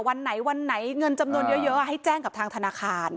วันไหนวันไหนเงินจำนวนเยอะให้แจ้งกับทางธนาคาร